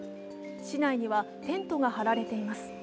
市内にはテントが張られています。